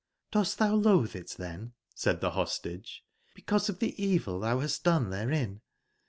* *Dos t thou loathe it, then/' said the Hostage/' because of the evil thou hast done therein